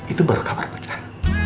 itu baru kapal pecah